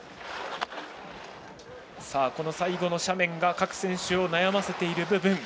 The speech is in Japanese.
最後の斜面が各選手を悩ませている部分。